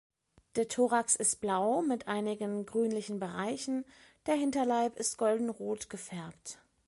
Der Thorax ist blau, mit einigen grünlichen Bereichen, der Hinterleib ist golden-rot gefärbt.